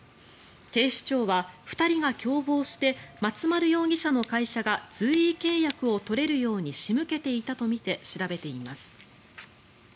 警視庁は、２人が共謀して松丸容疑者の会社が随意契約を取れるように仕向けていたとみて調べています。